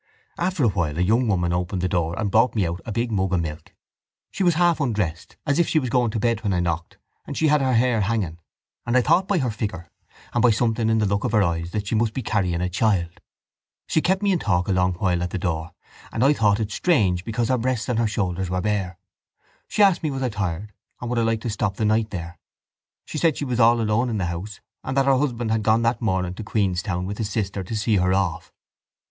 After a while a young woman opened the door and brought me out a big mug of milk. She was half undressed as if she was going to bed when I knocked and she had her hair hanging and I thought by her figure and by something in the look of her eyes that she must be carrying a child. She kept me in talk a long while at the door and I thought it strange because her breast and her shoulders were bare. She asked me was I tired and would I like to stop the night there. She said she was all alone in the house and that her husband had gone that morning to Queenstown with his sister to see her off.